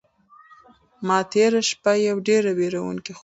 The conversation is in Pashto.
ما تېره شپه یو ډېر وېروونکی خوب ولید.